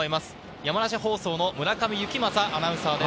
山梨放送の村上幸政アナウンサーです。